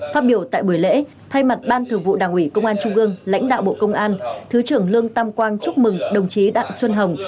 phát biểu tại buổi lễ thay mặt ban thường vụ đảng ủy công an trung ương lãnh đạo bộ công an thứ trưởng lương tam quang chúc mừng đồng chí đặng xuân hồng